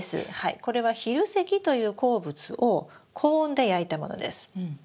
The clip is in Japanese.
これは蛭石という鉱物を高温で焼いたものです。